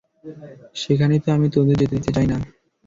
সেখানেই তো আমি তোদের যেতে দিতে চাই না!